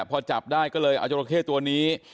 พอจับได้ก็เลยเอาจราเข้ตัวนี้